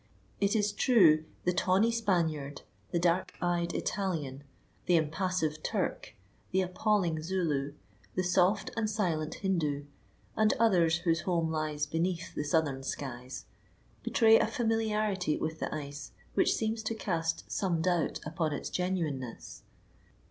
It is true the tawny Spaniard, the dark eyed Italian, the impassive Turk, the appalling Zulu, the soft and silent Hindu, and others whose home lies beneath the southern skies, betray a familiarity with the ice which seems to cast some doubt upon its genuineness.